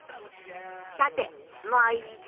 さてもう一通。